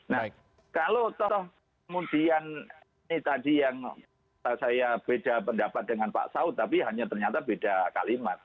nah kalau toh kemudian ini tadi yang saya beda pendapat dengan pak saud tapi hanya ternyata beda kalimat